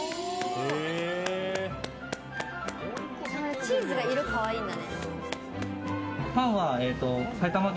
チーズが色、可愛いんだね。